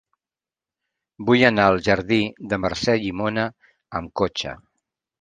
Vull anar al jardí de Mercè Llimona amb cotxe.